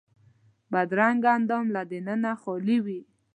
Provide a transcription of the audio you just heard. بدرنګه اندام له دننه خالي وي